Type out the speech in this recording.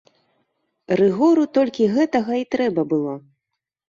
Рыгору толькі гэтага і трэба было.